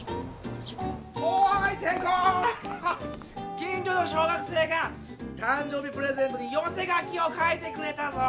近じょの小学生がたんじょうびプレゼントによせ書きを書いてくれたぞ！